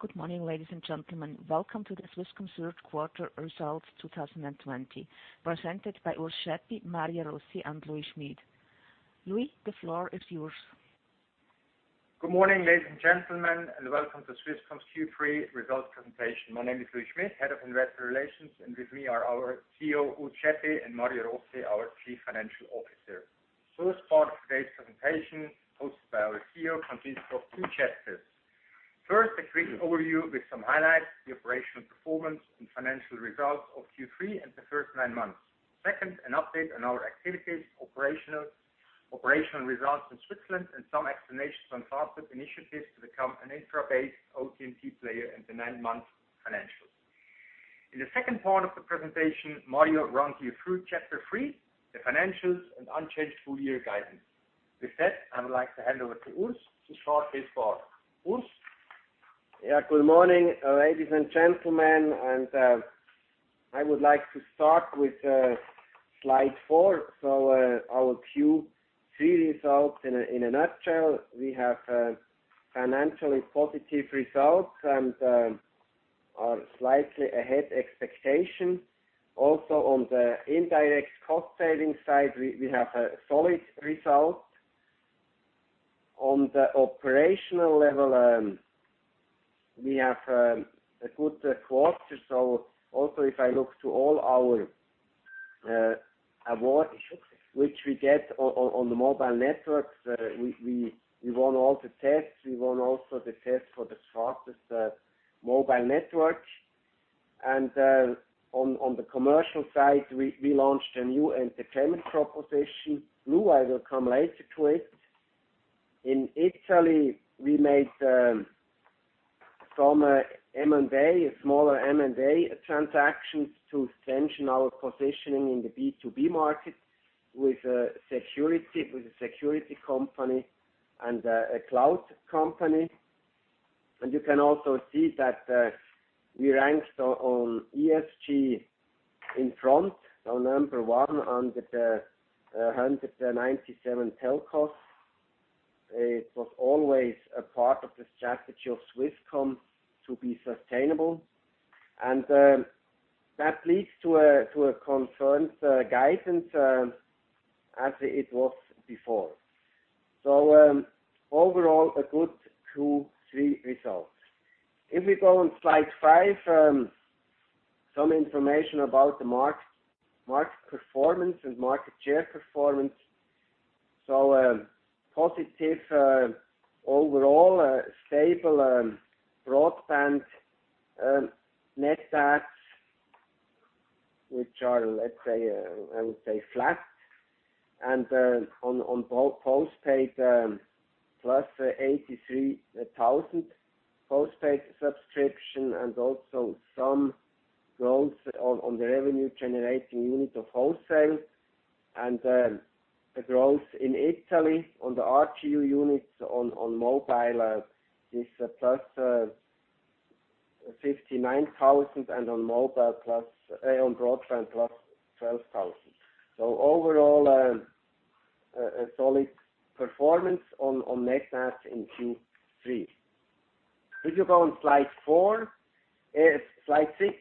Good morning, ladies and gentlemen. Welcome to the Swisscom third quarter results 2020, presented by Urs Schaeppi, Mario Rossi, and Louis Schmid. Louis, the floor is yours. Good morning, ladies and gentlemen, and welcome to Swisscom's Q3 result presentation. My name is Louis Schmid, Head of Investor Relations, and with me are our CEO, Urs Schaeppi, and Mario Rossi, our Chief Financial Officer. First part of today's presentation, hosted by our CEO, consists of two chapters. First, a quick overview with some highlights, the operational performance, and financial results of Q3 and the first nine months. Second, an update on our activities, operational results in Switzerland, and some explanations on Fastweb initiatives to become an infra-based OTT player in the nine-month financials. In the second part of the presentation, Mario runs you through chapter three, the financials, and unchanged full-year guidance. With that, I would like to hand over to Urs to start his part. Urs? Good morning, ladies and gentlemen. I would like to start with slide four. Our Q3 results in a nutshell. We have financially positive results and are slightly ahead expectation. Also, on the indirect cost-saving side, we have a solid result. On the operational level, we have a good quarter. Also if I look to all our award which we get on the mobile networks, we won all the tests. We won also the test for the fastest mobile network. On the commercial side, we launched a new entertainment proposition. blue will come later to it. In Italy, we made some M&A, a smaller M&A transaction to strengthen our positioning in the B2B market with a security company and a cloud company. You can also see that we ranked on ESG in front. Number 1 under the 197 telcos. It was always a part of the strategy of Swisscom to be sustainable. That leads to a confirmed guidance as it was before. Overall, a good Q3 result. If we go on slide five, some information about the market performance and market share performance. Positive overall, stable broadband net adds, which are, I would say, flat. On postpaid, +83,000 postpaid subscriptions, and also some growth on the revenue-generating unit of wholesale. A growth in Italy on the RGU units on mobile is +59,000, and on broadband, +12,000. Overall, a solid performance on net adds in Q3. Could you go on slide six?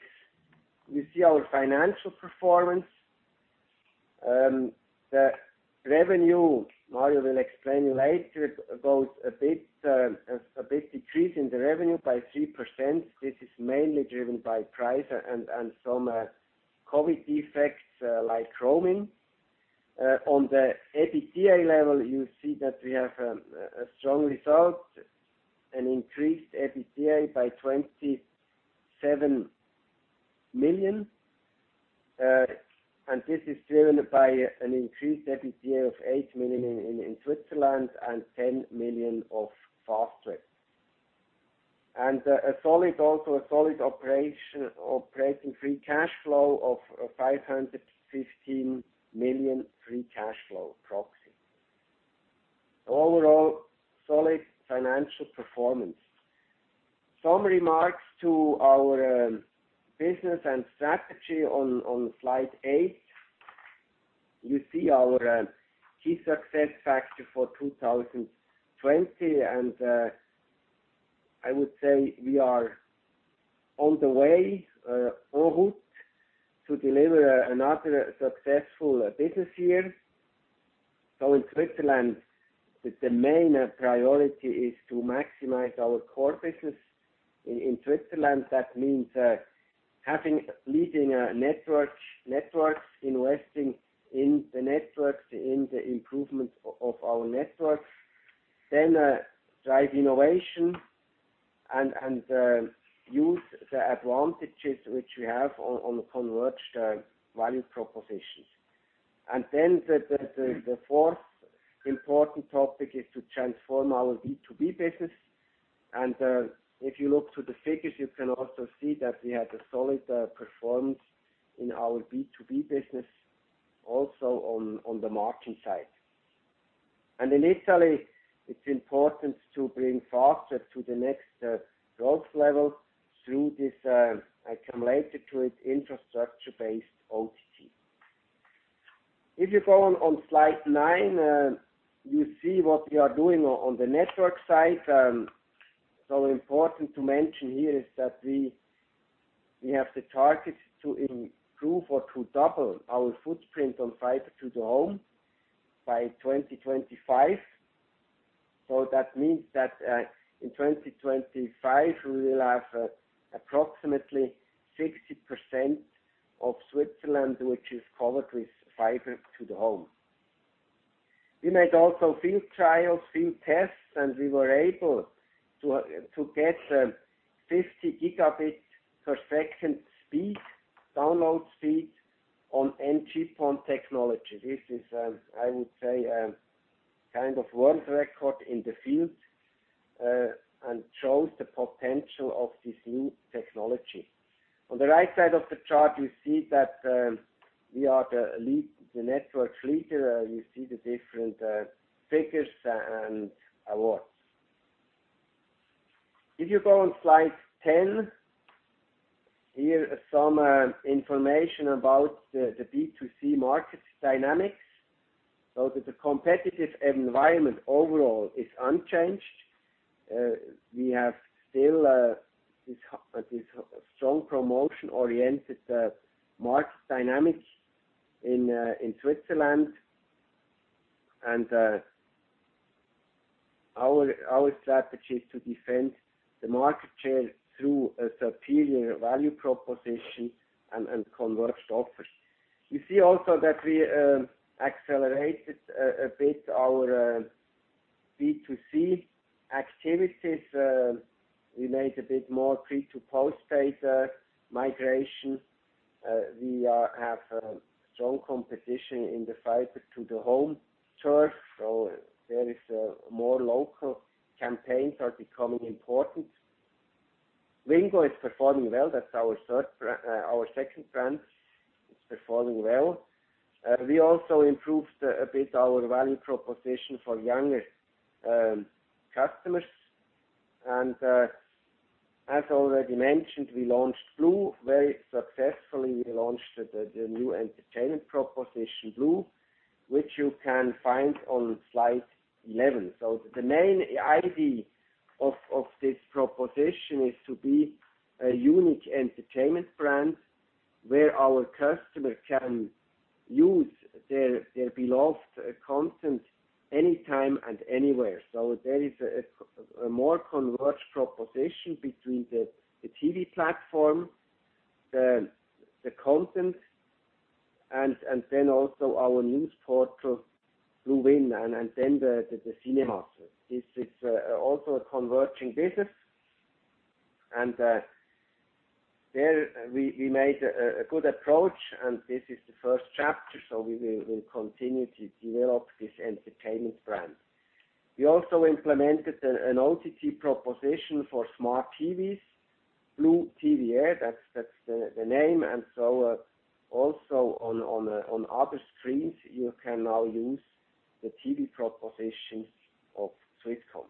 We see our financial performance. The revenue, Mario will explain you later, goes a bit decrease in the revenue by 3%. This is mainly driven by price and some COVID effects like roaming. On the EBITDA level, you see that we have a strong result, an increased EBITDA by 27 million. This is driven by an increased EBITDA of 8 million in Switzerland and 10 million of Fastweb. Also a solid operating free cash flow of 515 million free cash flow proxy. Overall, solid financial performance. Some remarks to our business and strategy on slide eight. You see our key success factor for 2020. I would say we are on the way, en route, to deliver another successful business year. In Switzerland, the main priority is to maximize our core business. In Switzerland, that means leading a network, investing in the network, in the improvement of our network. Drive innovation and use the advantages which we have on the converged value propositions. The fourth important topic is to transform our B2B business. If you look to the figures, you can also see that we had a solid performance in our B2B business, also on the margin side. In Italy, it's important to bring Fastweb to the next growth level through this, I come later to it, infrastructure-based OTT. If you go on slide nine, you see what we are doing on the network side. Important to mention here is that we have the target to improve or to double our footprint on fiber to the home by 2025. That means that in 2025, we will have approximately 60% of Switzerland, which is covered with fiber to the home. We made also field trials, field tests, and we were able to get 50 Gb/s speed, download speed on NG-PON technology. This is, I would say, a kind of world record in the field, and shows the potential of this new technology. On the right side of the chart, you see that we are the network leader. You see the different figures and awards. If you go on slide 10, here some information about the B2C market dynamics. The competitive environment overall is unchanged. We have still this strong promotion-oriented market dynamic in Switzerland, and our strategy is to defend the market share through a superior value proposition and converged offers. You see also that we accelerated a bit our B2C activities. We made a bit more pre to postpaid migration. We have a strong competition in the fiber to the home turf, there is more local campaigns are becoming important. Wingo is performing well. That's our second brand. It's performing well. We also improved a bit our value proposition for younger customers. As already mentioned, we launched blue very successfully. We launched the new entertainment proposition, blue, which you can find on slide 11. The main idea of this proposition is to be a unique entertainment brand where our customer can use their beloved content anytime and anywhere. There is a more converged proposition between the TV platform, the content, and then also our news portal, Bluewin, and then the cinemas. This is also a converging business. There we made a good approach, and this is the first chapter, so we will continue to develop this entertainment brand. We also implemented an OTT proposition for smart TVs, blue TV Air, that's the name. Also on other screens, you can now use the TV propositions of Swisscom.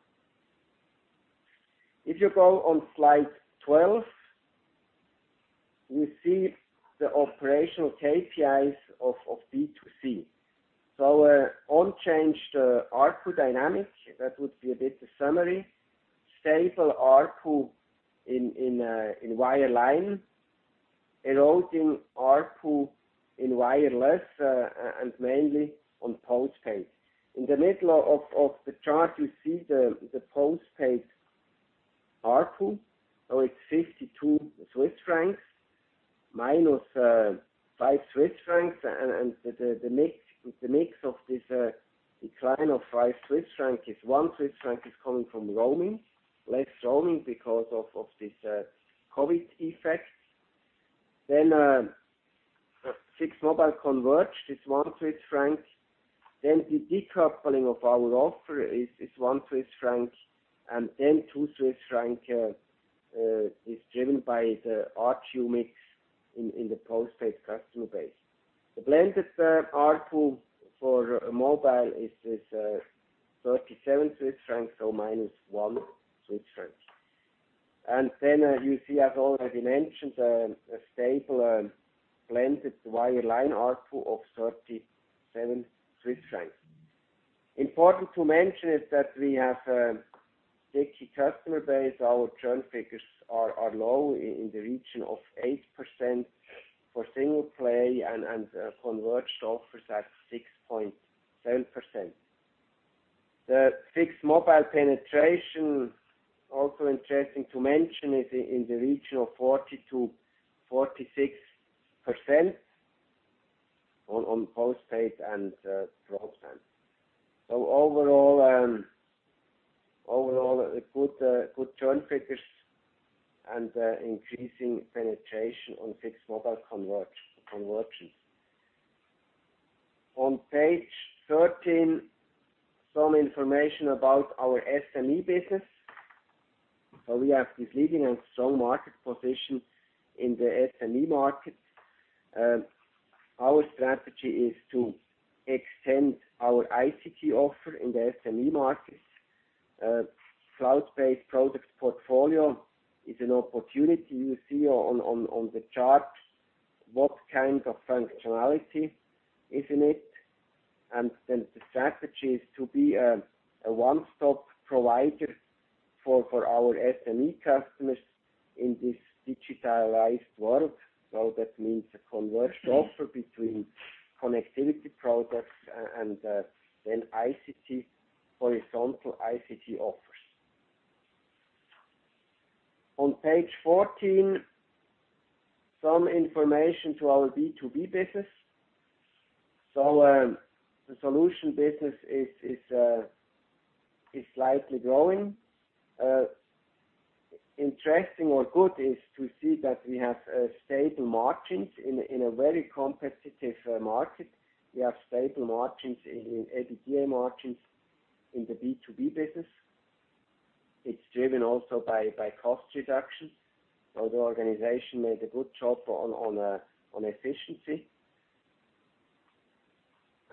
If you go on slide 12, you see the operational KPIs of B2C. Unchanged ARPU dynamic, that would be a bit summary. Stable ARPU in wireline, eroding ARPU in wireless, and mainly on postpaid. In the middle of the chart, you see the postpaid ARPU. It's 52-5 Swiss francs. The mix of this decline of 5 Swiss francs is 1 Swiss franc is coming from roaming. Less roaming because of this COVID effect. Fixed-mobile converged is 1 Swiss franc. The decoupling of our offer is 1 Swiss franc, and then 2 Swiss franc is driven by the ARPU mix in the postpaid customer base. The blended ARPU for mobile is 37 Swiss francs, so minus 1 Swiss francs. You see, as already mentioned, a stable blended wireline ARPU of 37. Important to mention is that we have a sticky customer base. Our churn figures are low in the region of 8% for single play and converged offers at 6.7%. The fixed mobile penetration, also interesting to mention, is in the region of 40%-46% on postpaid and broadband. Overall, good churn figures and increasing penetration on fixed mobile convergence. On page 13, some information about our SME business. We have this leading and strong market position in the SME market. Our strategy is to extend our ICT offer in the SME market. Cloud-based product portfolio is an opportunity. You see on the chart what kind of functionality is in it, and then the strategy is to be a one-stop provider for our SME customers in this digitalized world. That means a converged offer between connectivity products and then ICT horizontal ICT offers. On page 14, some information to our B2B business. The solution business is slightly growing. Interesting or good is to see that we have stable margins in a very competitive market. We have stable margins, EBITDA margins in the B2B business. It's driven also by cost reduction. The organization made a good job on efficiency.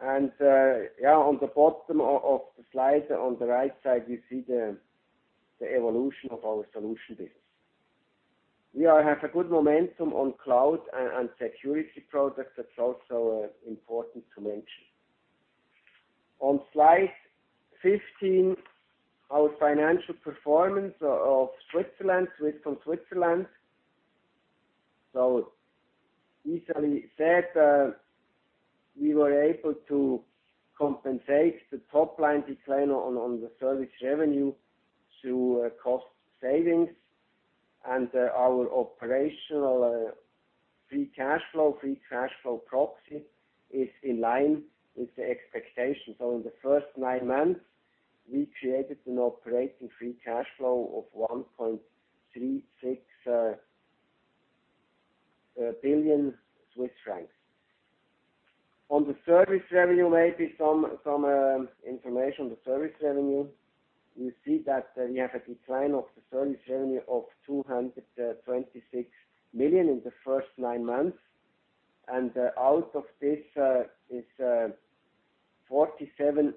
On the bottom of the slide on the right side, we see the evolution of our solution business. We have a good momentum on cloud and security products. That's also important to mention. On slide 15, our financial performance of Switzerland, Swisscom Switzerland. Easily said, we were able to compensate the top line decline on the service revenue to cost savings, and our operational free cash flow, free cash flow proxy is in line with the expectations. In the first nine months, we created an operating free cash flow of 1.36 billion Swiss francs. On the service revenue, maybe some information. The service revenue, you see that we have a decline of the service revenue of 226 million in the first nine months. Out of this, 47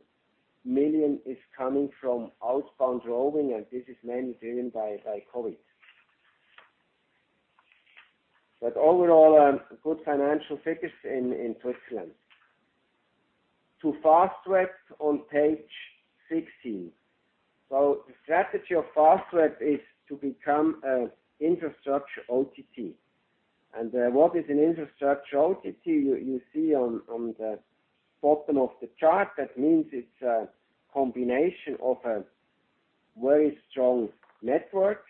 million is coming from outbound roaming, and this is mainly driven by COVID. Overall, good financial figures in Switzerland. To Fastweb on page 16. The strategy of Fastweb is to become an infrastructure OTT. What is an infrastructure OTT? You see on the bottom of the chart, that means it's a combination of a very strong network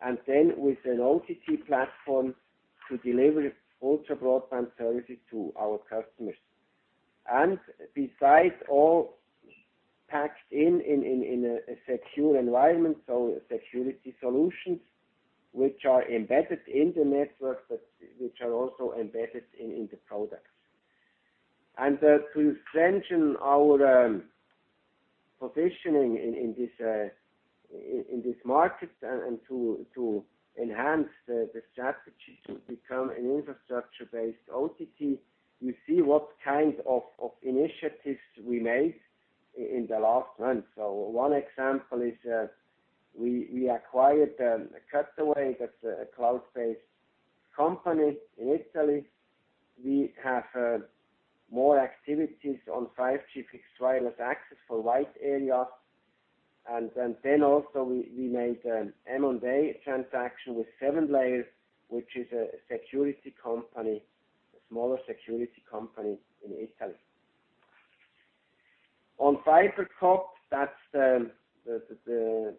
and then with an OTT platform to deliver ultra broadband services to our customers. Besides all packed in a secure environment, so security solutions which are embedded in the network, but which are also embedded in the products. To strengthen our positioning in this market and to enhance the strategy to become an infrastructure-based OTT, you see what kind of initiatives we made in the last months. One example is we acquired Cutaway. That's a cloud-based company in Italy. We have more activities on 5G fixed wireless access for white areas. Also we made an M&A transaction with 7Layers, which is a security company, a smaller security company in Italy. On FiberCop, that's the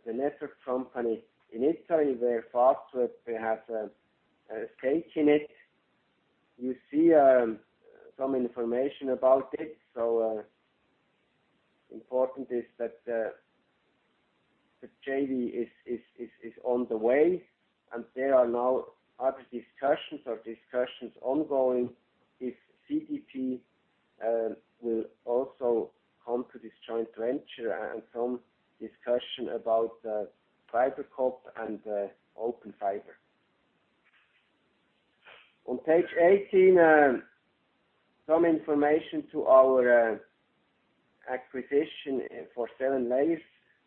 network company in Italy where Fastweb has a stake in it. You see some information about it. Important is that the JV is on the way, and there are now other discussions or discussions ongoing if CDP will also come to this joint venture and some discussion about FiberCop and Open Fiber. On page 18, some information to our acquisition for 7Layers.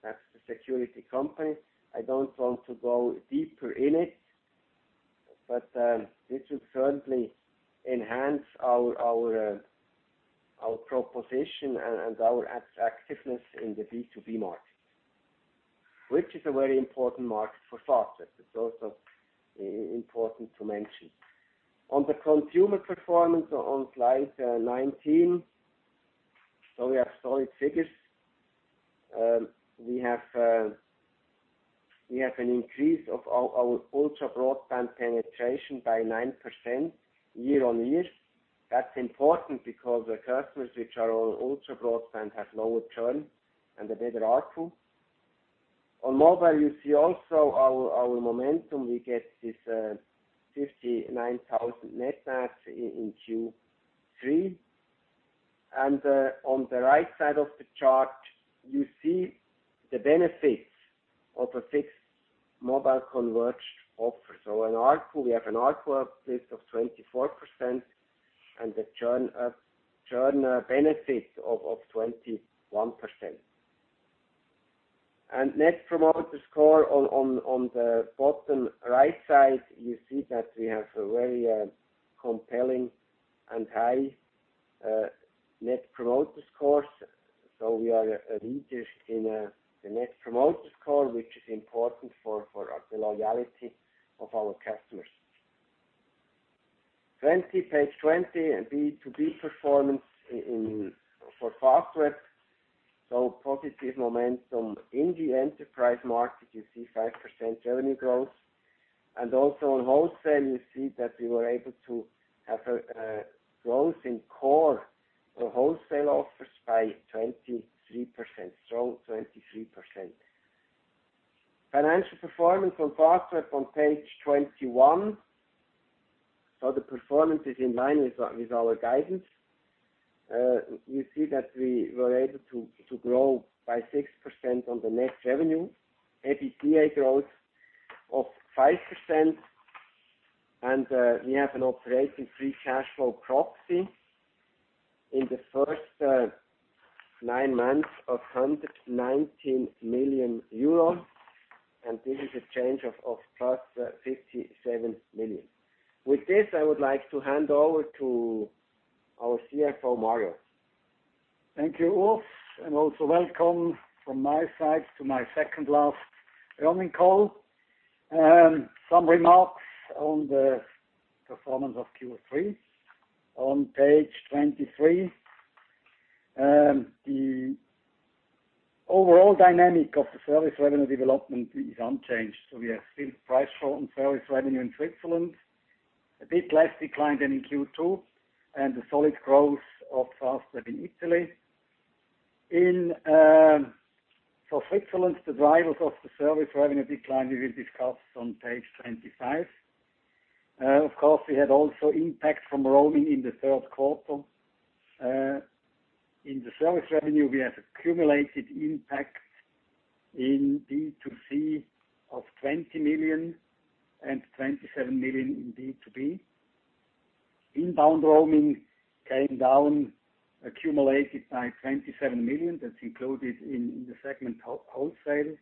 That's the security company. I don't want to go deeper in it, but this will certainly enhance our proposition and our attractiveness in the B2B market, which is a very important market for Fastweb. It's also important to mention. On the consumer performance on slide 19. We have solid figures. We have an increase of our ultra broadband penetration by 9% year-on-year. That's important because the customers which are on ultra broadband have lower churn and a better ARPU. On mobile, you see also our momentum. We get this 59,000 net adds in Q3. On the right side of the chart, you see the benefit of the fixed mobile converged offers. We have an ARPU uplift of 24% and the churn benefit of 21%. Net Promoter Score on the bottom right side, you see that we have a very compelling and high Net Promoter Scores. We are a leader in the Net Promoter Score, which is important for the loyalty of our customers. Page 20, B2B performance for Fastweb. Positive momentum in the enterprise market, you see 5% revenue growth. Also on wholesale, you see that we were able to have a growth in core for wholesale offers by 23%. Financial performance on Fastweb on page 21. The performance is in line with our guidance. You see that we were able to grow by 6% on the net revenue. EBITDA growth of 5%. We have an operating free cash flow proxy in the first nine months of 119 million euro. This is a change of plus 57 million. With this, I would like to hand over to our CFO, Mario. Thank you, Urs. Also welcome from my side to my second last earnings call. Some remarks on the performance of Q3. On page 23, the overall dynamic of the service revenue development is unchanged. We have still price drop on service revenue in Switzerland, a bit less decline than in Q2, and the solid growth of Fastweb in Italy. For Switzerland, the drivers of the service revenue decline, we will discuss on page 25. Of course, we had also impact from roaming in the third quarter. In the service revenue, we have accumulated impact in B2C of 20 million and 27 million in B2B. Inbound roaming came down accumulated by 27 million. That's included in the segment wholesale.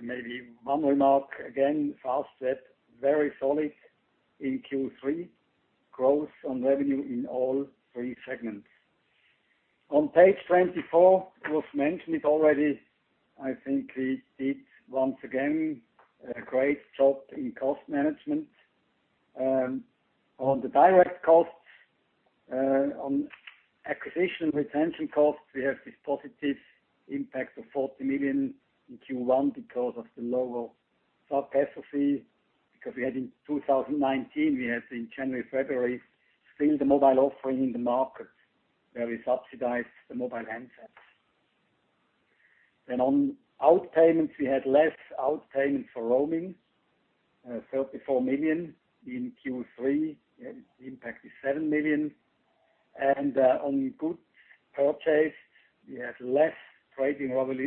Maybe one remark, again, Fastweb, very solid in Q3. Growth on revenue in all three segments. On page 24, Urs mentioned it already. I think we did once again, a great job in cost management. On the direct costs, on acquisition retention costs, we have this positive impact of 40 million in Q1 because of the lower sub SAC fee, because we had in 2019, in January, February, still the mobile offering in the market where we subsidized the mobile handsets. On outpayments, we had less outpayment for roaming, 34 million in Q3. The impact is 7 million. On goods purchased, we had less trading volume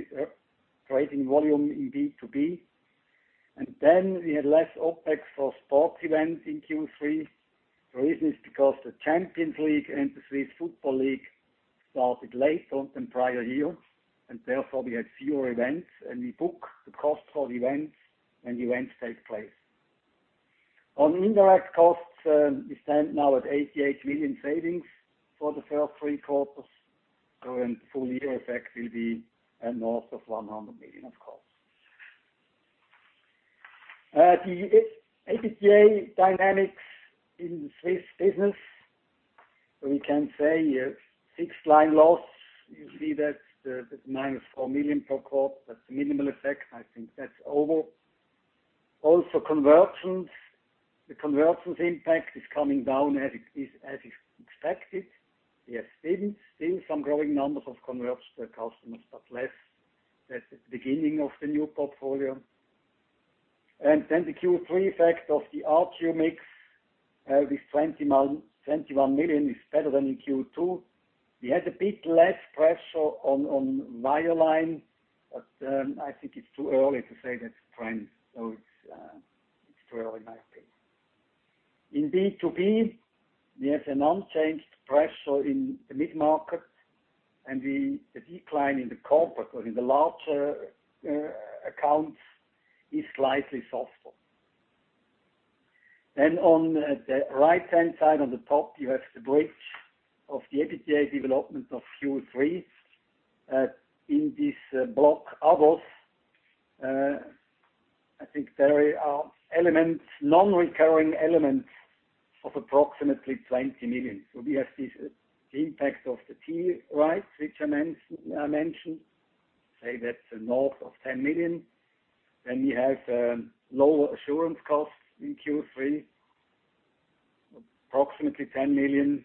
in B2B. We had less OPEX for sports events in Q3. The reason is because the Champions League and the Swiss Football League started later than prior years, therefore we had fewer events, we book the cost for the events when the events take place. On indirect costs, we stand now at 88 million savings for the first three quarters. In full year effect will be north of 100 million, of course. The EBITDA dynamics in the Swiss business, we can say fixed line loss. You see that, the -4 million per quarter. That's a minimal effect. I think that's over. Also conversions. The conversions impact is coming down as is expected. We have still some growing numbers of converged customers, but less at the beginning of the new portfolio. The Q3 effect of the ARPU mix with 21 million is better than in Q2. We had a bit less pressure on wireline, but I think it's too early to say that's a trend. It's too early in my opinion. In B2B, we have an unchanged pressure in the mid-market, the decline in the corporate or in the larger accounts is slightly softer. On the right-hand side on the top, you have the bridge of the EBITDA development of Q3. In this block, others, I think there are non-recurring elements of approximately 20 million. We have this impact of the TV rights, which I mentioned. Say that's north of 10 million. We have lower assurance costs in Q3, approximately 10 million.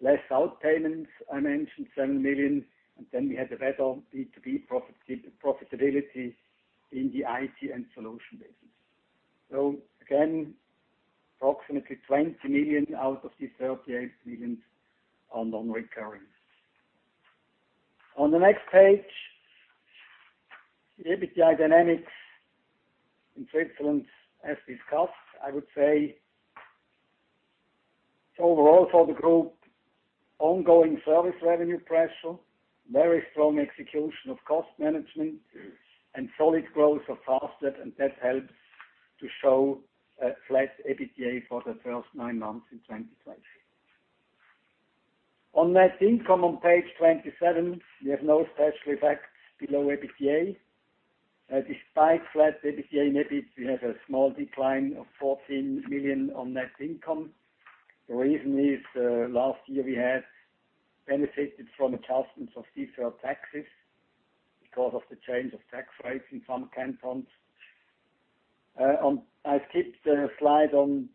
Less outpayments, I mentioned 7 million. We had a better B2B profitability in the IT and solution business. Again, approximately 20 million out of the 38 million are non-recurring. On the next page, the EBITDA dynamics in Switzerland, as discussed, I would say overall for the group, ongoing service revenue pressure, very strong execution of cost management and solid growth of Fastweb and that helps to show a flat EBITDA for the first nine months in 2020. On net income on page 27, we have no special effects below EBITDA. Despite flat EBITDA and EBIT, we have a small decline of 14 million on net income. The reason is, last year we had benefited from adjustments of deferred taxes because of the change of tax rates in some cantons. I skipped the slide on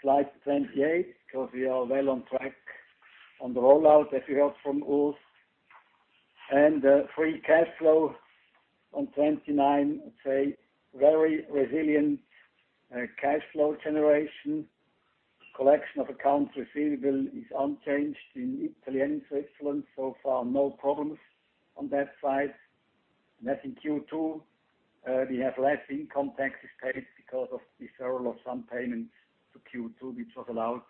slide 28 because we are well on track on the rollout, as you heard from Urs. Free cash flow on 29, I'd say very resilient cash flow generation. Collection of accounts receivable is unchanged in Italy and Switzerland. Far, no problems on that side. Net in Q2, we have less income taxes paid because of deferral of some payments to Q2, which was allowed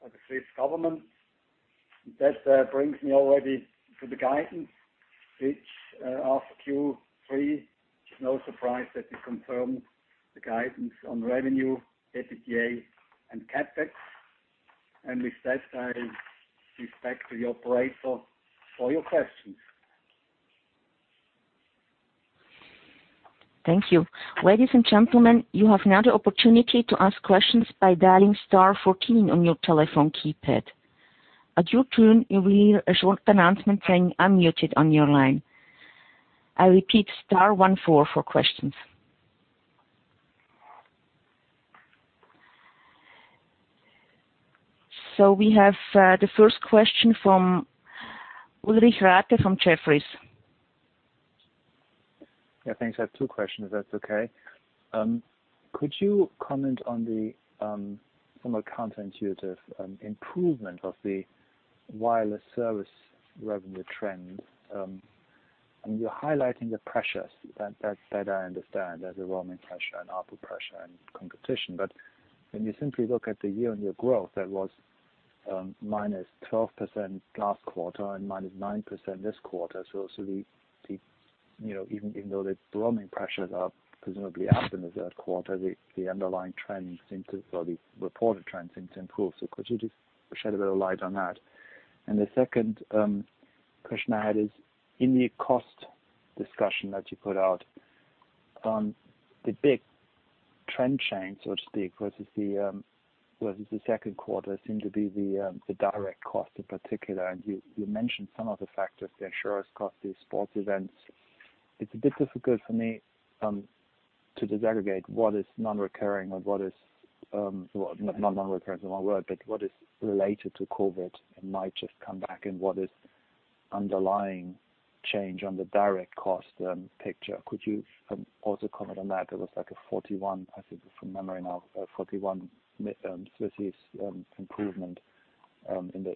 by the Swiss government. That brings me already to the guidance, which after Q3, it's no surprise that we confirm the guidance on revenue, EBITDA and CapEx. With that, I give back to the operator for your questions. Thank you. Ladies and gentlemen, you have now the opportunity to ask questions by dialing star 14 on your telephone keypad. At your turn, you will hear a short announcement saying, "Unmuted on your line." I repeat, star 14 for questions. We have the first question from Ulrich Rathe from Jefferies. Thanks. I have two questions, if that's okay. Could you comment on the somewhat counterintuitive improvement of the wireless service revenue trend? I mean, you're highlighting the pressures. That I understand. There's a roaming pressure, an output pressure and competition. When you simply look at the year-on-year growth, that was -12% last quarter and -9% this quarter. Even though the roaming pressures are presumably up in the third quarter, the underlying trends seem to improve. Could you just shed a bit of light on that? The second question I had is, in the cost discussion that you put out, the big trend change, so to speak, versus the second quarter seem to be the direct cost in particular. You mentioned some of the factors, the insurance cost, the sports events. It's a bit difficult for me to disaggregate what is non-recurring, Not non-recurring is the wrong word, but what is related to COVID and might just come back, and what is underlying change on the direct cost picture? Could you also comment on that? It was like a 41, I think from memory now, 41 improvement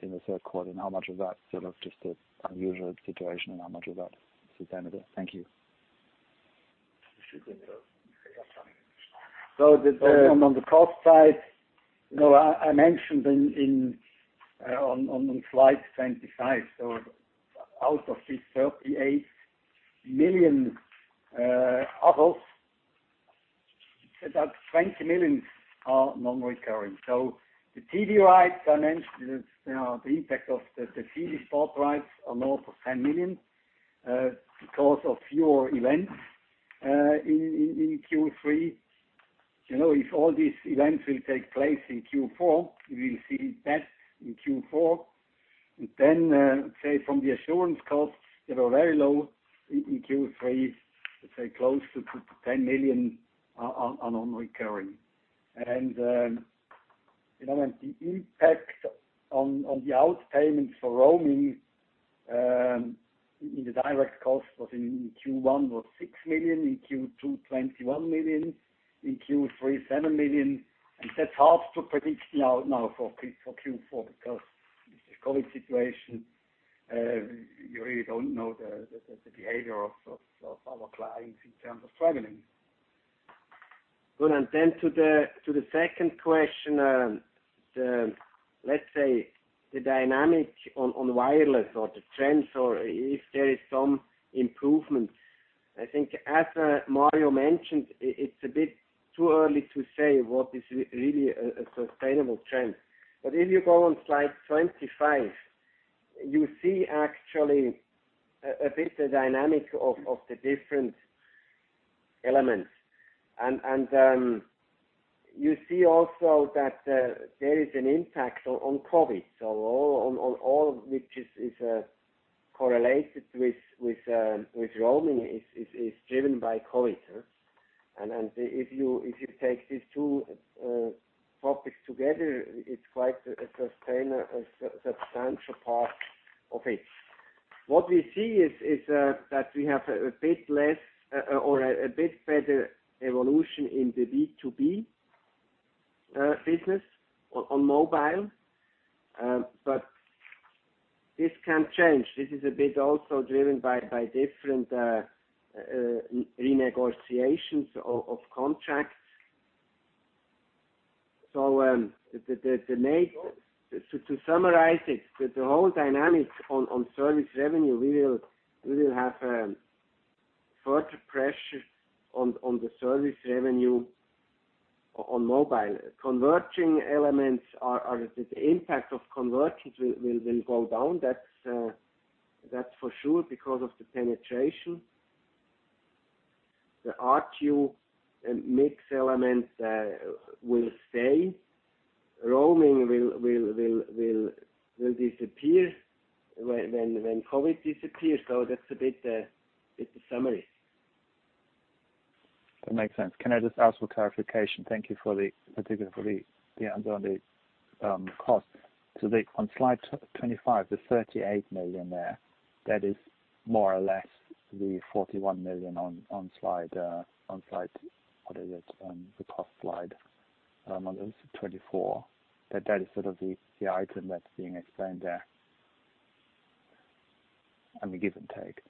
in the third quarter, and how much of that is just an unusual situation, and how much of that is sustainable? Thank you. On the cost side, I mentioned on slide 25. Out of the 38 million other, about 20 million are non-recurring. The TV rights I mentioned, the impact of the TV sport rights are north of 10 million, because of fewer events in Q3. If all these events will take place in Q4, we will see that in Q4. Say from the assurance costs, they were very low in Q3. Close to CHF 10 million are non-recurring. The impact on the outpayment for roaming in the direct cost was in Q1 was 6 million, in Q2, 21 million, in Q3, 7 million. That's hard to predict now for Q4 because with the COVID situation, you really don't know the behavior of our clients in terms of traveling. Good. Then to the second question, let's say the dynamic on wireless or the trends, or if there is some improvement. I think as Mario mentioned, it's a bit too early to say what is really a sustainable trend. If you go on slide 25, you see actually a bit the dynamic of the different elements. You see also that there is an impact on COVID. If you take these two topics together, it's quite a substantial part of it. What we see is that we have a bit better evolution in the B2B business on mobile, but this can change. This is a bit also driven by different renegotiations of contracts. To summarize it, the whole dynamics on service revenue, we will have further pressure on the service revenue on mobile. The impact of convergence will go down. That's for sure because of the penetration. The ARPU mix element will stay. Roaming will disappear when COVID disappears. That's a bit the summary. That makes sense. Can I just ask for clarification? Thank you for the breakdown of the cost. On slide 25, the 38 million there, that is more or less the 41 million on the cost slide on 24. That is sort of the item that's being explained there. I mean, give and take.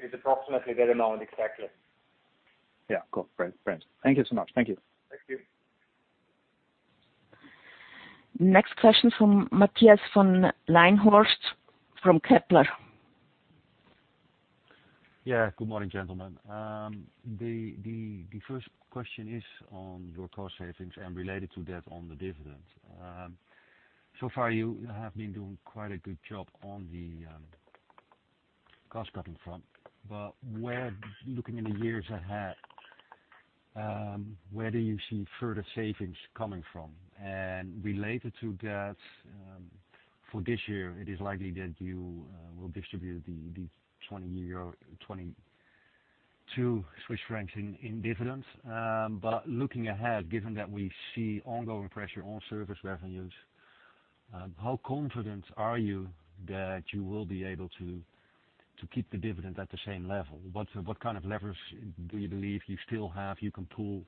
It's approximately that amount exactly. Yeah, cool. Great. Thank you so much. Thank you. Thank you. Next question from Matthias von Leinhorst from Kepler. Yeah. Good morning, gentlemen. The first question is on your cost savings and related to that on the dividend. Far, you have been doing quite a good job on the cost-cutting front. Looking in the years ahead, where do you see further savings coming from? Related to that, for this year, it is likely that you will distribute the year 2020, 22 in dividends. Looking ahead, given that we see ongoing pressure on service revenues, how confident are you that you will be able to keep the dividend at the same level? What kind of leverage do you believe you still have you can pull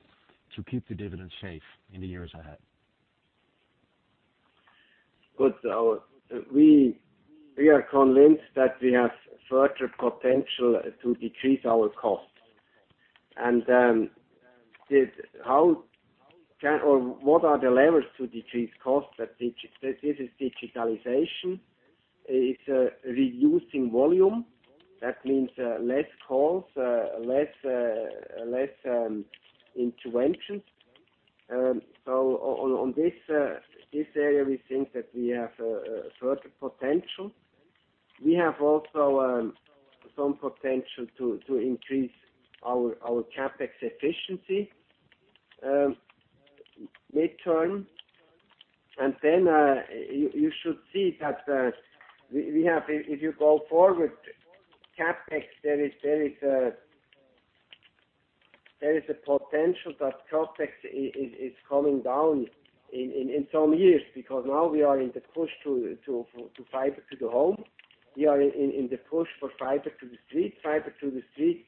to keep the dividend safe in the years ahead? Good. We are convinced that we have further potential to decrease our cost. What are the levers to decrease cost? This is digitalization. It's reducing volume. That means less calls, less interventions. On this area, we think that we have further potential. We have also some potential to increase our CapEx efficiency midterm. You should see that if you go forward, CapEx, there is a potential that CapEx is coming down in some years. Because now we are in the push to Fiber to the Home. We are in the push for fiber to the street. fiber to the street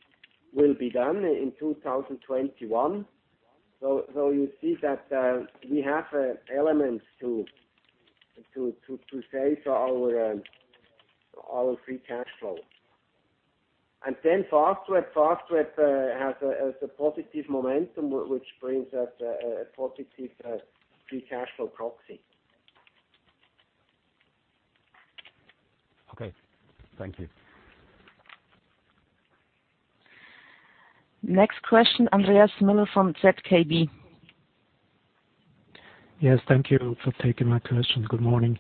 will be done in 2021. You see that we have elements to save our free cash flow. Software has a positive momentum, which brings us a positive free cash flow proxy. Okay. Thank you. Next question, Andreas Müller from ZKB. Yes. Thank you for taking my question. Good morning.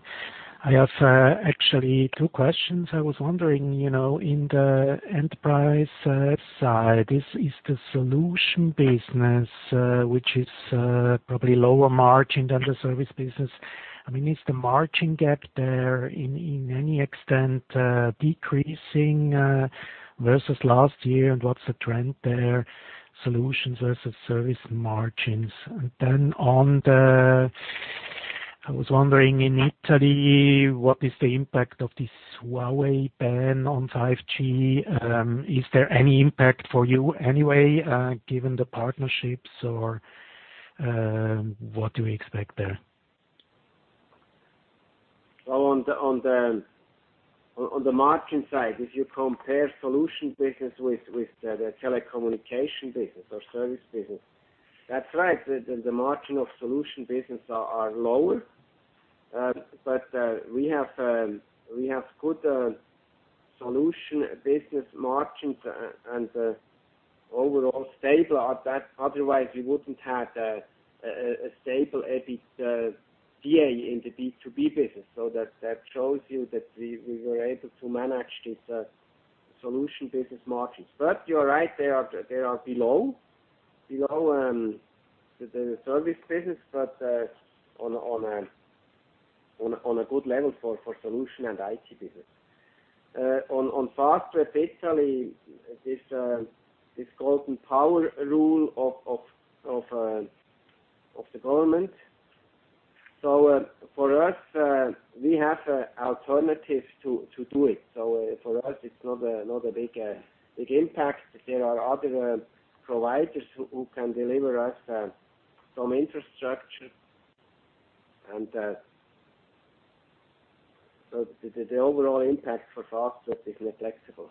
I have actually two questions. I was wondering, in the enterprise side, is the solution business, which is probably lower margin than the service business. I mean, is the margin gap there in any extent decreasing versus last year, and what's the trend there, solutions versus service margins? Then I was wondering, in Italy, what is the impact of this Huawei ban on 5G? Is there any impact for you anyway given the partnerships, or what do we expect there? On the margin side, if you compare solution business with the telecommunication business or service business, that's right. The margin of solution business are lower. We have good solution business margins and overall stable at that. Otherwise, we wouldn't have a stable EBITDA in the B2B business. That shows you that we were able to manage this solution business margins. You're right, they are below the service business, but on a good level for solution and IT business. On Fastweb Italy, this Golden Power rule of the government. For us, we have an alternative to do it. For us, it's not a big impact. There are other providers who can deliver us some infrastructure, and the overall impact for Fastweb is negligible.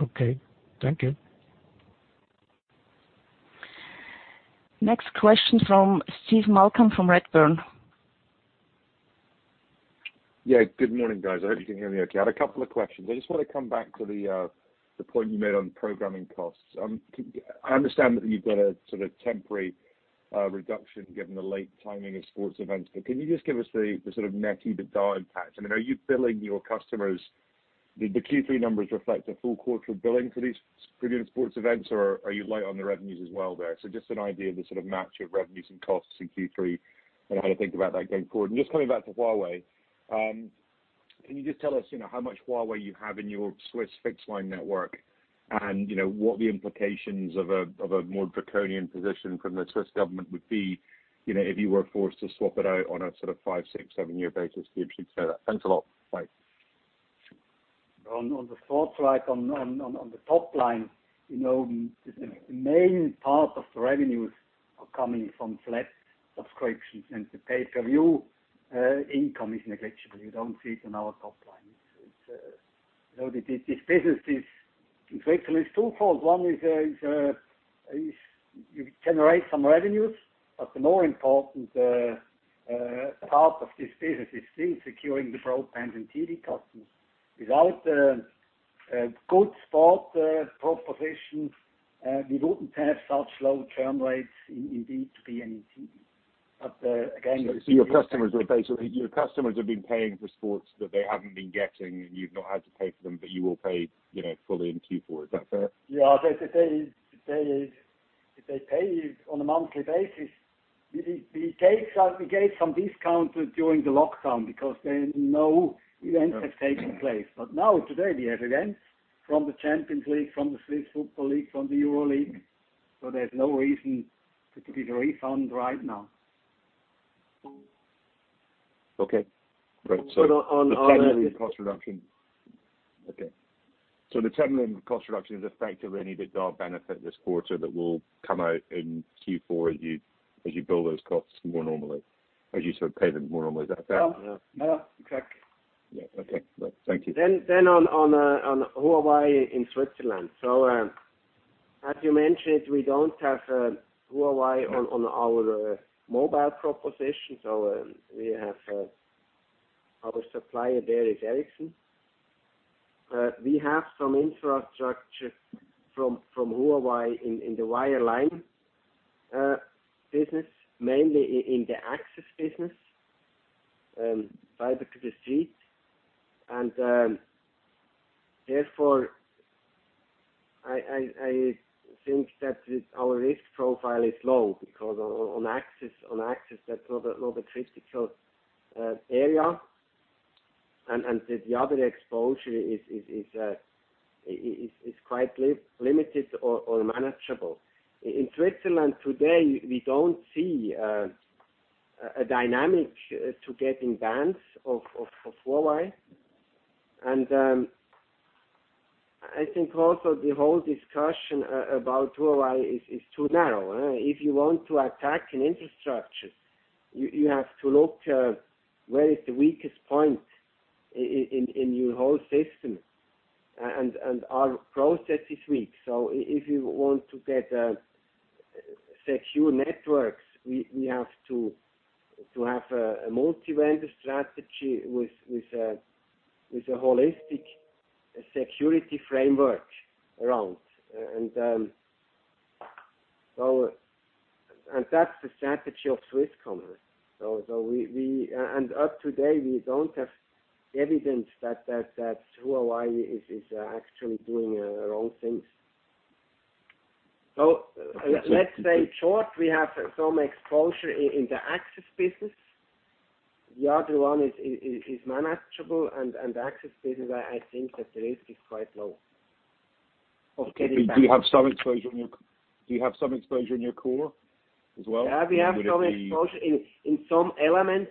Okay. Thank you. Next question from Steve Malcolm from Redburn. Yeah. Good morning, guys. I hope you can hear me okay. I had a couple of questions. I just want to come back to the point you made on programming costs. I understand that you've got a sort of temporary reduction given the late timing of sports events, but can you just give us the sort of net EBITDA impact? I mean, are you billing your customers. Did the Q3 numbers reflect a full quarter billing for these premium sports events, or are you light on the revenues as well there? Just an idea of the sort of match of revenues and costs in Q3 and how to think about that going forward. Just coming back to Huawei. Can you just tell us how much Huawei you have in your Swiss fixed line network and what the implications of a more draconian position from the Swiss government would be if you were forced to swap it out on a sort of five, six, seven-year basis, the upside to that. Thanks a lot. Bye. On the sports right on the top line. The main part of the revenues are coming from flat subscriptions, the pay-per-view income is negligible. You don't see it on our top line. This business in Switzerland is twofold. One is you generate some revenues, the more important part of this business is still securing the broadband and TV customers. Without a good sport proposition, we wouldn't have such low churn rates in TV. Your customers have been paying for sports that they haven't been getting, and you've not had to pay for them, but you will pay fully in Q4. Is that fair? Yeah. They pay you on a monthly basis. We gave some discounts during the lockdown because then no events have taken place. Now, today, we have events from the Champions League, from the Swiss Football League, from the Europa League. There's no reason to give a refund right now. Okay. Great. But on- The cost reduction. Okay. The terminal cost reduction is effectively an EBITDA benefit this quarter that will come out in Q4 as you bill those costs more normally, as you sort of pay them more normally. Is that fair? Yeah. Correct. Yeah. Okay. Great. Thank you. On Huawei in Switzerland. As you mentioned, we don't have Huawei on our mobile proposition, so we have our supplier there is Ericsson. We have some infrastructure from Huawei in the wireline business, mainly in the access business, fiber to the street. Therefore, I think that our risk profile is low because on access that's not a critical area, and the other exposure is quite limited or manageable. In Switzerland today, we don't see a dynamic to getting bans of Huawei, and I think also the whole discussion about Huawei is too narrow. If you want to attack an infrastructure, you have to look where is the weakest point in your whole system, and our process is weak. If you want to get secure networks, we have to have a multi-vendor strategy with a holistic security framework around. That's the strategy of Swisscom. Up today, we don't have evidence that Huawei is actually doing wrong things. Let's say short, we have some exposure in the access business. The other one is manageable and access business, I think that the risk is quite low of getting banned. Do you have some exposure in your core as well? Yeah, we have some exposure in some elements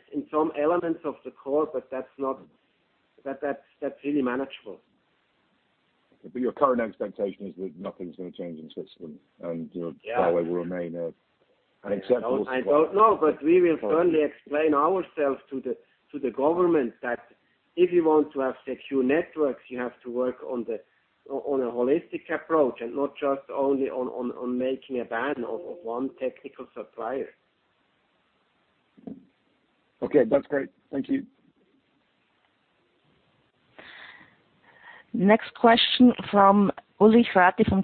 of the core, but that's really manageable. Your current expectation is that nothing's going to change in Switzerland. Yeah Huawei will remain an acceptable supplier. I don't know. We will certainly explain ourselves to the government that if you want to have secure networks, you have to work on a holistic approach and not just only on making a ban of one technical supplier. Okay. That's great. Thank you. Next question from Ulrich Rathe from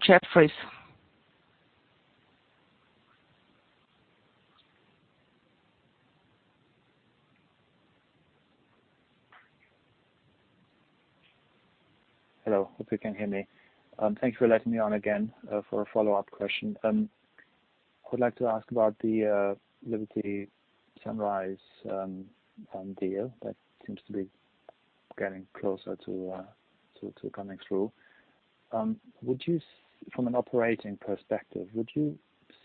Jefferies. Hello, hope you can hear me. Thanks for letting me on again for a follow-up question. I would like to ask about the Liberty Sunrise deal that seems to be getting closer to coming through. From an operating perspective, would you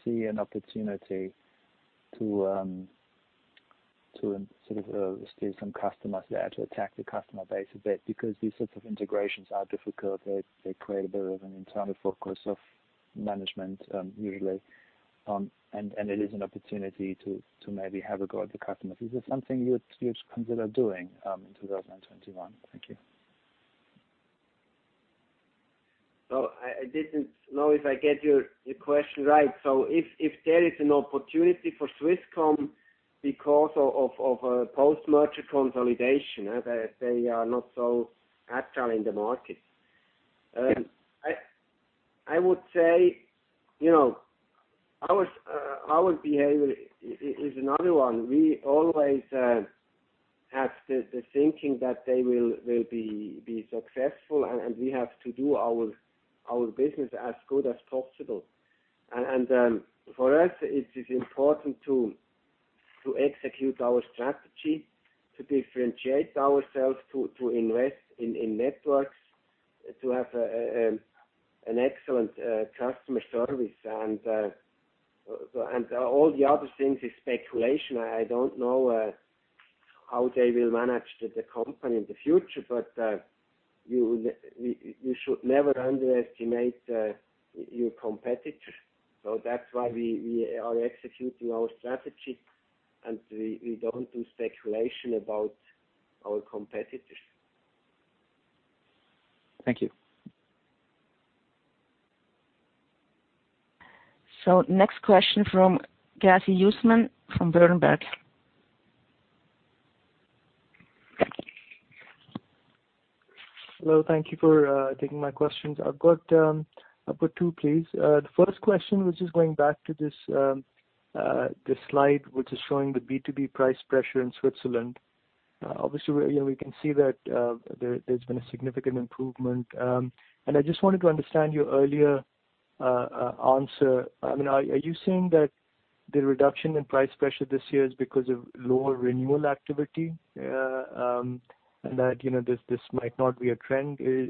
see an opportunity to steal some customers there, to attack the customer base a bit? These sorts of integrations are difficult. They create a bit of an internal focus of management, usually. It is an opportunity to maybe have a go at the customers. Is this something you'd consider doing in 2021? Thank you. I didn't know if I get your question right. If there is an opportunity for Swisscom because of a post-merger consolidation, as they are not so agile in the market. Yes. I would say our behavior is another one. We always have the thinking that they will be successful, and we have to do our business as good as possible. For us, it is important to execute our strategy, to differentiate ourselves, to invest in networks, to have an excellent customer service, and all the other things is speculation. I don't know how they will manage the company in the future. You should never underestimate your competitor. That's why we are executing our strategy, and we don't do speculation about our competitors. Thank you. Next question from Kathy Usman from Berenberg. Hello. Thank you for taking my questions. I've got two, please. The first question, which is going back to this slide, which is showing the B2B price pressure in Switzerland. Obviously, we can see that there's been a significant improvement. I just wanted to understand your earlier answer. Are you saying that the reduction in price pressure this year is because of lower renewal activity? That this might not be a trend? I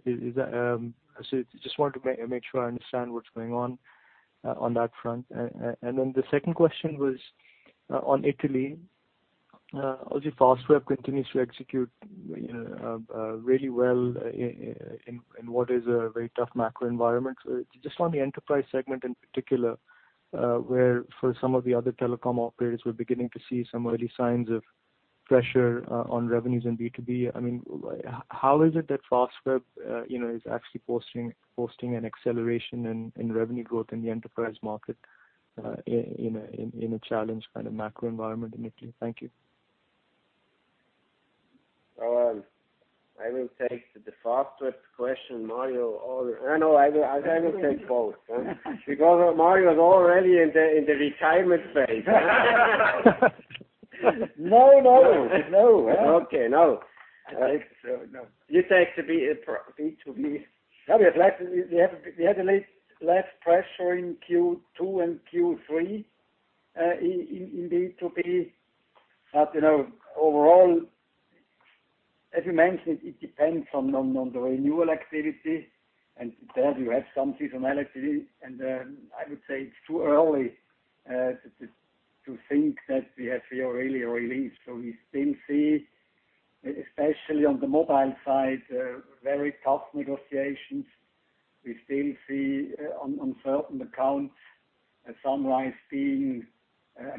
just want to make sure I understand what's going on that front. The second question was on Italy. As Fastweb continues to execute really well in what is a very tough macro environment. Just on the enterprise segment in particular, where for some of the other telecom operators, we're beginning to see some early signs of pressure on revenues in B2B. How is it that Fastweb is actually posting an acceleration in revenue growth in the enterprise market in a challenged kind of macro environment in Italy? Thank you. I will take the Fastweb question. Mario, or no, I will take both. Mario is already in the retirement phase. No. Okay. No. You take the B2B. We had less pressure in Q2 and Q3 in B2B. Overall, as you mentioned, it depends on the renewal activity. There we have some seasonality. I would say it's too early to think that we have here really a relief. We still see, especially on the mobile side, very tough negotiations. We still see on certain accounts, Sunrise being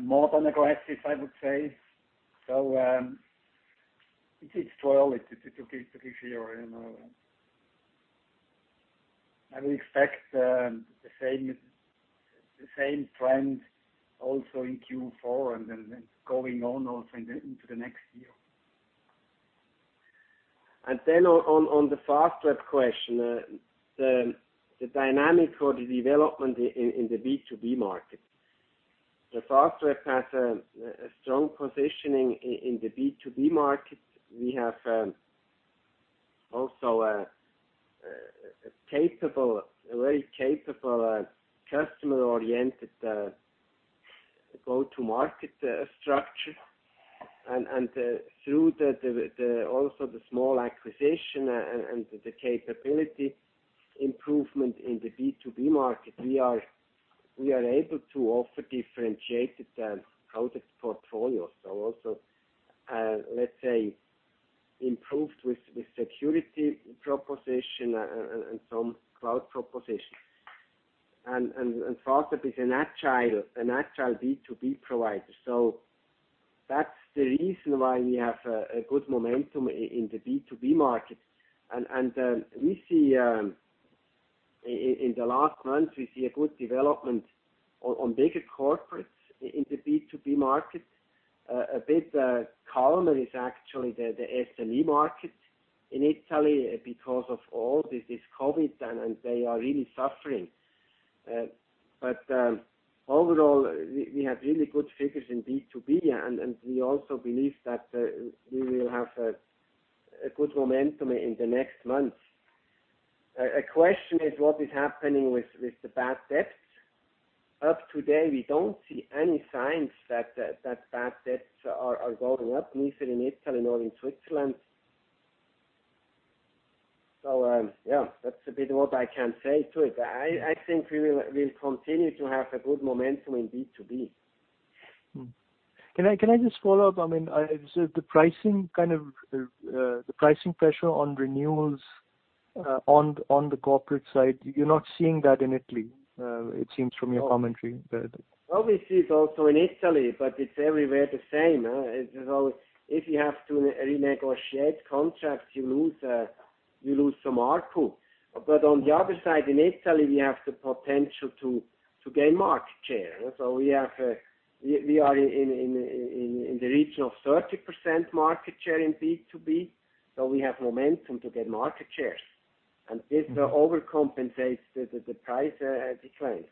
more than aggressive, I would say. It's too early to give here. I will expect the same trend also in Q4 and then going on also into the next year. On the Fastweb question. The dynamic or the development in the B2B market. The Fastweb has a strong positioning in the B2B market. We have also a very capable customer-oriented go-to market structure. Through also the small acquisition and the capability improvement in the B2B market, we are able to offer differentiated product portfolios. Also, let's say, improved with security proposition and some cloud propositions. Fastweb is an agile B2B provider. That's the reason why we have a good momentum in the B2B market. In the last months, we see a good development on bigger corporates in the B2B market. A bit calmer is actually the SME market in Italy because of all this COVID, and they are really suffering. Overall, we have really good figures in B2B, and we also believe that we will have a good momentum in the next months. A question is what is happening with the bad debts. Up today, we don't see any signs that bad debts are going up, neither in Italy nor in Switzerland. Yeah, that's a bit what I can say to it. I think we'll continue to have a good momentum in B2B. Can I just follow up? The pricing pressure on renewals on the corporate side, you're not seeing that in Italy, it seems from your commentary. It's also in Italy, but it's everywhere the same. If you have to renegotiate contracts, you lose some ARPU. On the other side, in Italy, we have the potential to gain market share. We are in the region of 30% market share in B2B, we have momentum to get market shares. This overcompensates the price decline.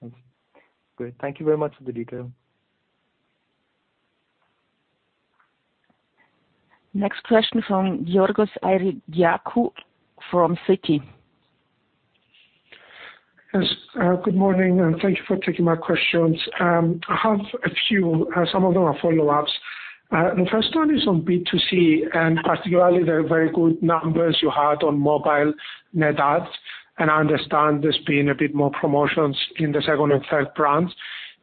Thanks. Good. Thank you very much for the detail. Next question from Georgios Ierodiaconou from Citi. Yes. Good morning, and thank you for taking my questions. I have a few. Some of them are follow-ups. The first one is on B2C, and particularly the very good numbers you had on mobile net adds. I understand there's been a bit more promotions in the second and third brands.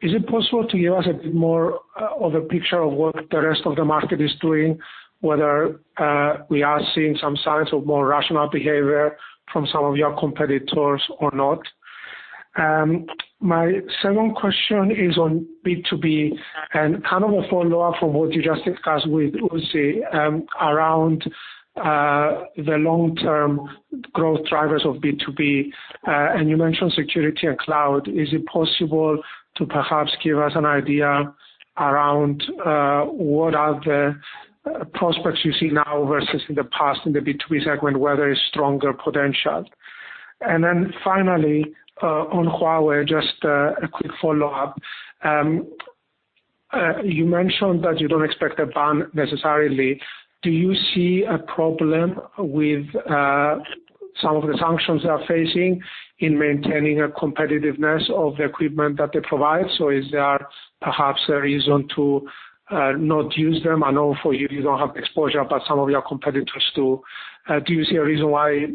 Is it possible to give us a bit more of a picture of what the rest of the market is doing, whether we are seeing some signs of more rational behavior from some of your competitors or not? My second question is on B2B and kind of a follow-up from what you just discussed with Urs around the long-term growth drivers of B2B. You mentioned security and cloud. Is it possible to perhaps give us an idea around, what are the prospects you see now versus in the past in the B2B segment, where there is stronger potential? Finally, on Huawei, just a quick follow-up. You mentioned that you don't expect a ban necessarily. Do you see a problem with some of the sanctions they are facing in maintaining a competitiveness of the equipment that they provide? Is there perhaps a reason to not use them? I know for you don't have exposure, but some of your competitors do. Do you see a reason why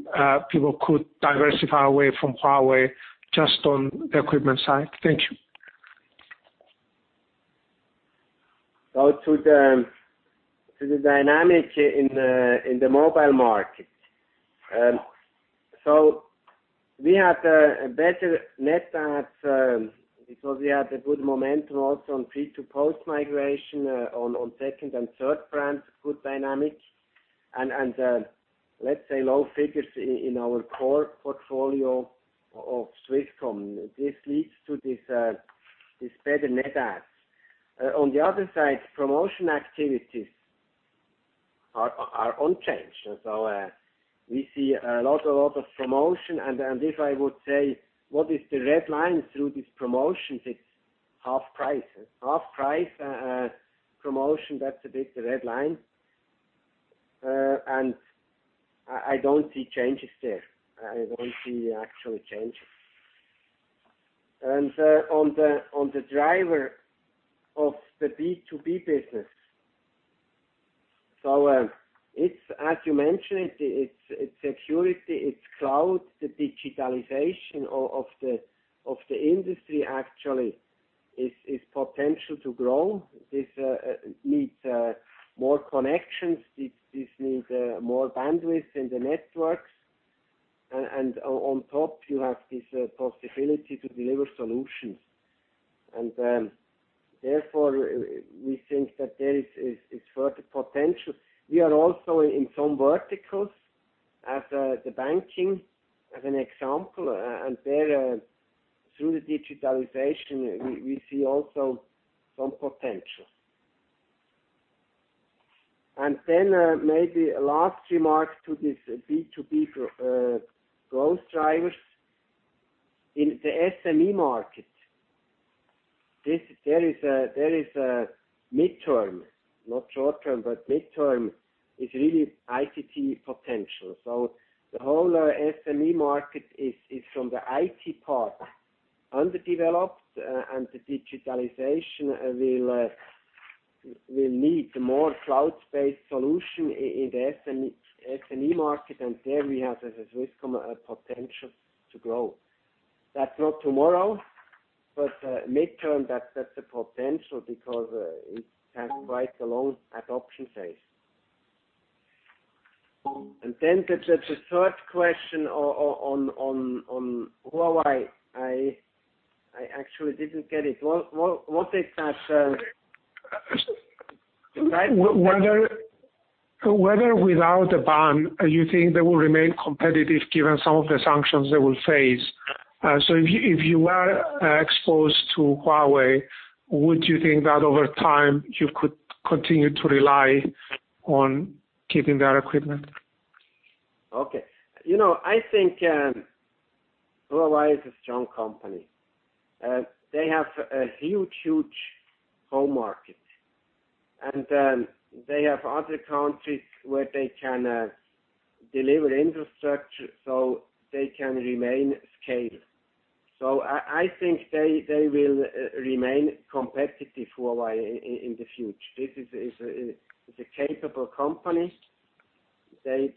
people could diversify away from Huawei just on the equipment side? Thank you. To the dynamic in the mobile market. We had a better net add because we had a good momentum also on pre to post-migration, on second and third brands, good dynamic. Let's say low figures in our core portfolio of Swisscom. This leads to this better net adds. On the other side, promotion activities are unchanged. We see a lot of promotion. If I would say what is the red line through these promotions, it's half price. Half-price promotion, that's a bit the red line. I don't see changes there. I don't see actual changes. On the driver of the B2B business. It's as you mentioned, it's security, it's cloud, the digitalization of the industry actually is potential to grow. This needs more connections. This needs more bandwidth in the networks. On top, you have this possibility to deliver solutions. Therefore, we think that there is further potential. We are also in some verticals as the banking, as an example, and there, through the digitalization, we see also some potential. Then maybe a last remark to this B2B growth drivers. In the SME market, there is a midterm, not short-term, but midterm is really ICT potential. The whole SME market is from the IT part, underdeveloped, and the digitalization will need more cloud-based solution in the SME market, and there we have, as Swisscom, a potential to grow. That's not tomorrow, but midterm, that's the potential because it has quite a long adoption phase. Then the third question on Huawei. I actually didn't get it. What is that? Whether without the ban, you think they will remain competitive given some of the sanctions they will face. If you are exposed to Huawei, would you think that over time you could continue to rely on keeping their equipment Okay. I think Sunrise is a strong company. They have a huge home market, and they have other countries where they can deliver infrastructure so they can remain scaled. I think they will remain competitive for a while in the future. This is a capable company. They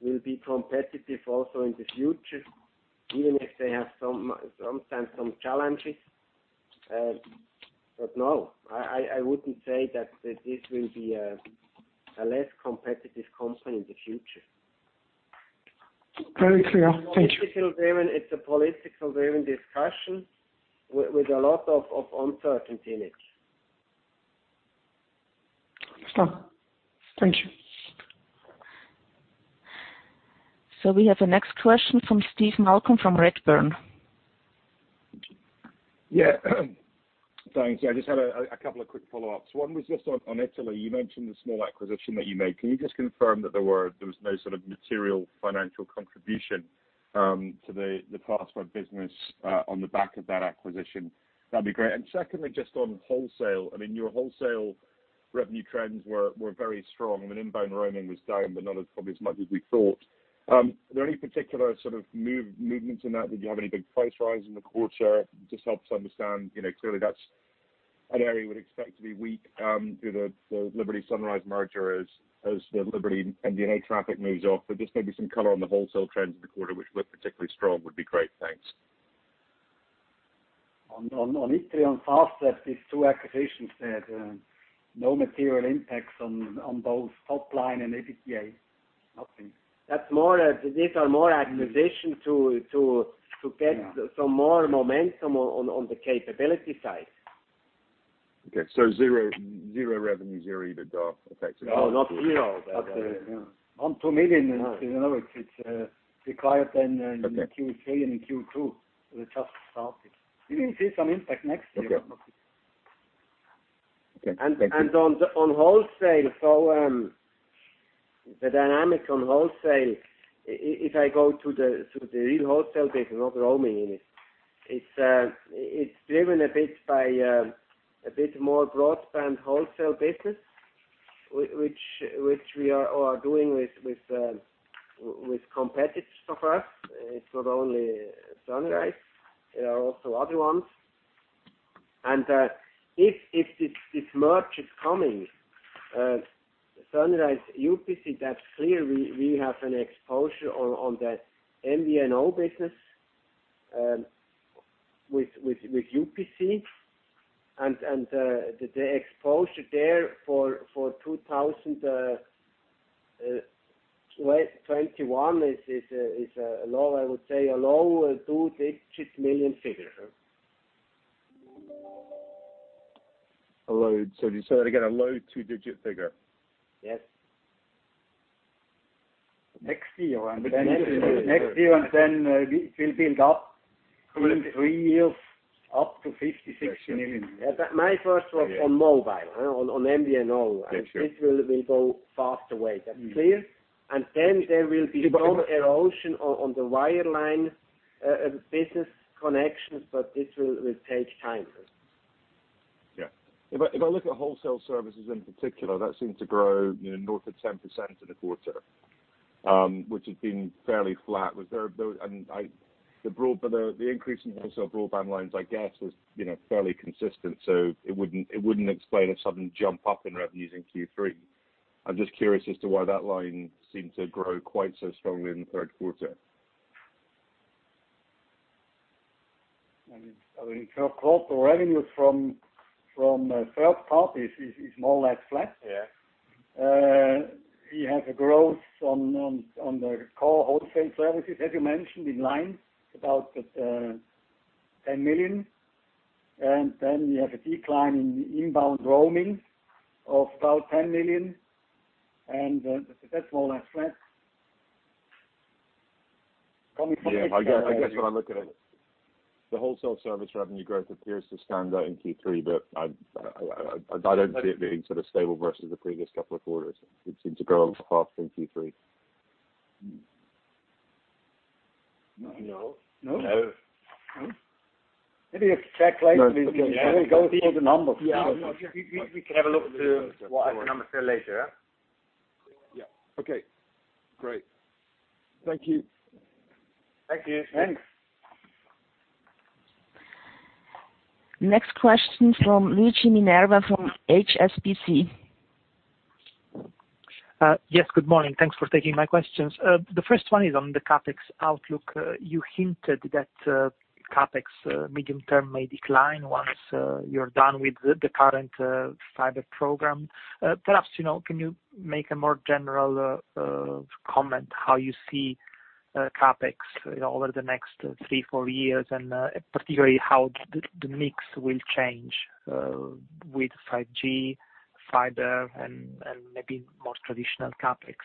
will be competitive also in the future, even if they have sometimes some challenges. No, I wouldn't say that this will be a less competitive company in the future. Very clear. Thank you. It's a political-driven discussion with a lot of uncertainty in it. Excellent. Thank you. We have the next question from Steve Malcolm from Redburn. Yeah. Thanks. I just had a couple of quick follow-ups. One was just on Italy. You mentioned the small acquisition that you made. Can you just confirm that there was no sort of material financial contribution to the Fastweb business on the back of that acquisition? That'd be great. Secondly, just on wholesale. I mean, your wholesale revenue trends were very strong. I mean, inbound roaming was down, but not as probably as much as we thought. Are there any particular sort of movements in that? Did you have any big price rise in the quarter? Just help us understand. Clearly, that's an area we'd expect to be weak due to the Liberty Sunrise merger as the Liberty MVNO traffic moves off. Just maybe some color on the wholesale trends of the quarter, which looked particularly strong would be great. Thanks. On Italy, on Fastweb, these two acquisitions had no material impacts on both top line and EBITDA. Nothing. These are more acquisitions to. Yeah some more momentum on the capability side. Okay, zero revenue, zero EBITDA effects. No, not zero. On 2 million. It's required. Okay in Q3 and in Q2. We just started. We will see some impact next year. Okay. Thank you. On wholesale. The dynamic on wholesale, if I go through the real wholesale business, not the roaming in it's driven a bit by a bit more broadband wholesale business, which we are doing with competitors of us. It's not only Sunrise, there are also other ones. If this merger is coming, Sunrise UPC, that clearly we have an exposure on that MVNO business with UPC, and the exposure there for 2021 is a low, I would say, a low two-digit million figure. A low. Say that again, a low two-digit figure? Yes. Next year, and then it will build up in three years up to 56 million. My first was on mobile, on MVNO. Thank you. This will go Fastweb. That's clear. Then there will be some erosion on the wireline business connections, but it will take time. Yeah. If I look at wholesale services in particular, that seemed to grow north of 10% in the quarter, which had been fairly flat. The increase in wholesale broadband lines, I guess, was fairly consistent, so it wouldn't explain a sudden jump up in revenues in Q3. I'm just curious as to why that line seemed to grow quite so strongly in the third quarter. I mean, corporate revenues from third parties is more like flat. Yeah. We have a growth on the core wholesale services, as you mentioned, in line, about 10 million. We have a decline in inbound roaming of about 10 million, and that's more or less flat. Yeah. I guess when I look at it, the wholesale service revenue growth appears to stand out in Q3, but I don't see it being sort of stable versus the previous couple of quarters. It seemed to grow faster in Q3. No. No. No. Maybe exactly. Go through the numbers. We can have a look to what are the numbers there later. Yeah. Okay, great. Thank you. Thank you. Thanks. Next question from Luigi Minerva from HSBC. Yes, good morning. Thanks for taking my questions. The first one is on the CapEx outlook. You hinted that CapEx medium-term may decline once you are done with the current fiber program. Perhaps, can you make a more general comment how you see CapEx over the next three, four years, and particularly how the mix will change with 5G, fiber, and maybe more traditional CapEx?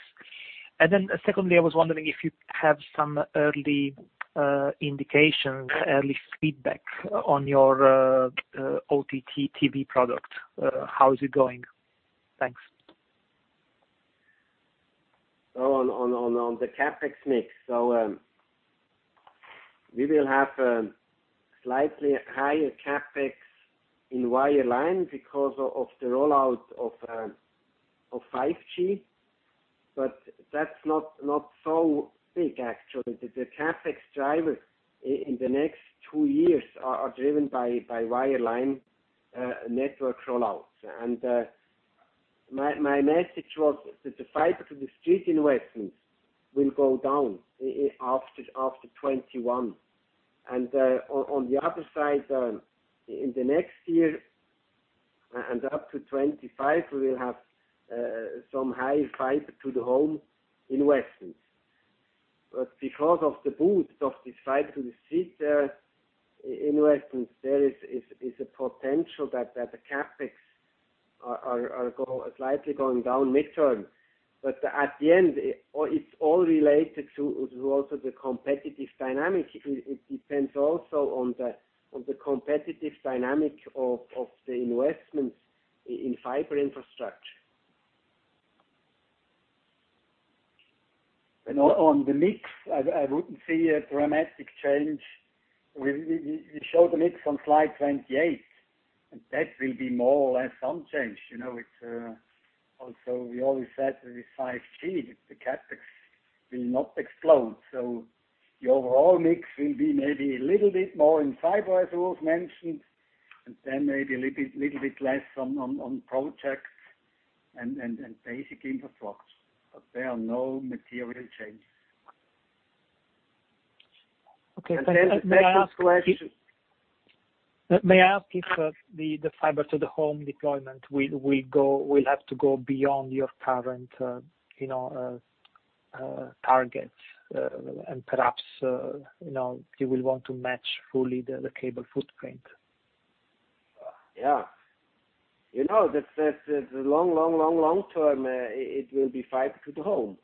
Secondly, I was wondering if you have some early indications, early feedback on your OTT TV product. How is it going? Thanks. On the CapEx mix. We will have a slightly higher CapEx in wireline because of the rollout of 5G, but that's not so big actually. The CapEx drivers in the next two years are driven by wireline network rollouts. My message was that the fiber to the street investments will go down after 2021. On the other side, in the next year and up to 2025, we will have some high fiber to the home investments. Because of the boost of this fiber to the street investments, there is a potential that the CapEx are slightly going down midterm. At the end, it's all related to also the competitive dynamic. It depends also on the competitive dynamic of the investments in fiber infrastructure. On the mix, I wouldn't see a dramatic change. We show the mix on slide 28, and that will be more or less unchanged. We always said with 5G, the CapEx will not explode. The overall mix will be maybe a little bit more in fiber, as Urs mentioned, and then maybe a little bit less on projects and basic infrastructure. There are no material changes. Okay. The second question. May I ask if the fiber to the home deployment will have to go beyond your current targets? And perhaps, you will want to match fully the cable footprint. The long term, it will be fiber to the home.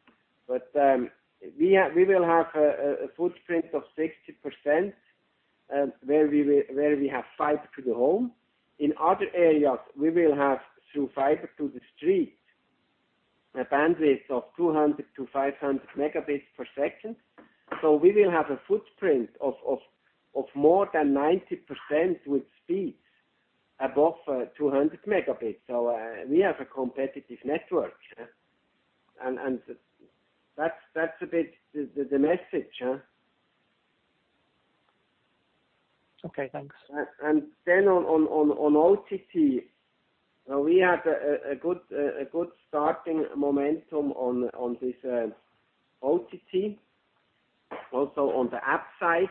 We will have a footprint of 60% where we have fiber to the home. In other areas, we will have, through fiber to the street, a bandwidth of 200-500 Mb/s. We will have a footprint of more than 90% with speeds above 200 Mb. We have a competitive network. That's a bit the message. Okay, thanks. Then on OTT, we had a good starting momentum on this OTT, also on the app side.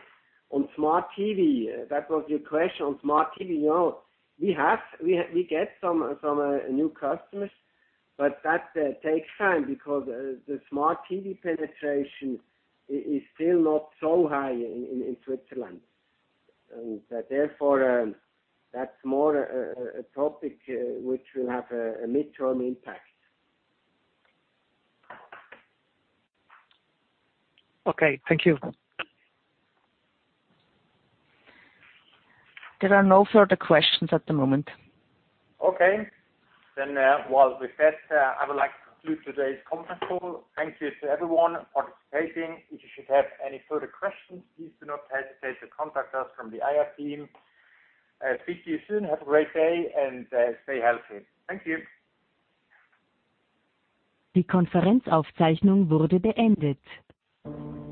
On Smart TV, that was your question. On Smart TV, we get some new customers, but that takes time because the Smart TV penetration is still not so high in Switzerland. Therefore, that's more a topic which will have a midterm impact. Okay, thank you. There are no further questions at the moment. Okay. With that, I would like to conclude today's conference call. Thank you to everyone participating. If you should have any further questions, please do not hesitate to contact us from the IR team. Speak to you soon. Have a great day, and stay healthy. Thank you.